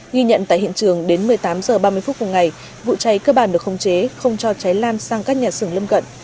ghi nhận tại hiện trường đến một mươi tám h ba mươi phút cùng ngày vụ cháy cơ bản được không chế không cho cháy lan sang các nhà xưởng lâm gận